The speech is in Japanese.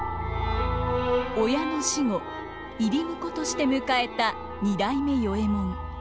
親の死後入り婿として迎えた二代目与右衛門。